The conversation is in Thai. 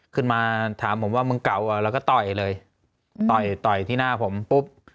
ขึ้นมาถามผมว่ามึงเก่าอ่ะแล้วก็ต่อยเลยต่อยต่อยที่หน้าผมปุ๊บ